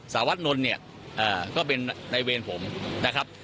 สวัสดิ์นลก็เป็นในเวรผมนะครับ